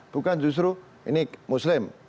bukan justru ini muslim